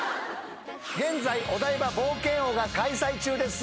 現在お台場冒険王が開催中です。